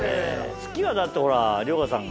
月はだってほら遼河さんが。